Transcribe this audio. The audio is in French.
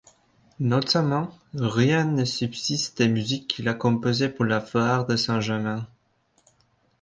Notamment, rien ne subsiste des musiques qu'il a composées pour la foire de Saint-Germain.